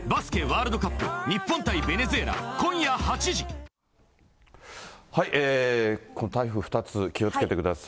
続くこの台風２つ、気をつけてください。